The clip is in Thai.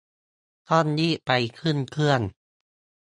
ต้องรีบไปขึ้นเครื่อง